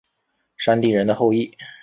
山地人的后裔。